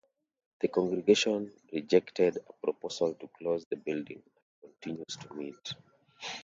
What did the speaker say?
The congregation rejected a proposal to close the building, and continues to meet.